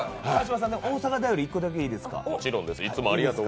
大阪便り、１個だけいいですか？